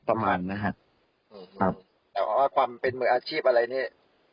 แต่ว่าความเป็นมอบอาชีพอะไรเนี่ย